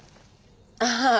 ああ。